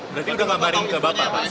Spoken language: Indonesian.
berarti udah kabarin ke bapak